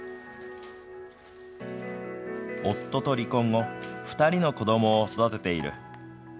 夫と離婚後２人の子どもを育てている。